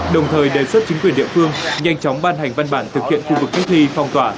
đồng thời đề xuất chính quyền địa phương nhanh chóng ban hành văn bản thực hiện khu vực cách ly phong tỏa